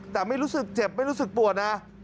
แต่ไม่รู้สึกเจ็บไม่รู้สึกปวดนะ